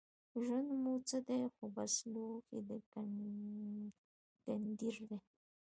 ژوند مو څه دی خو بس لوښی د ګنډېر دی